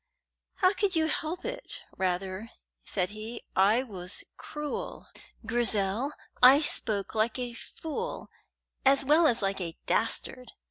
"How could you help it, rather?" said he. "I was cruel, Grizel; I spoke like a fool as well as like a dastard.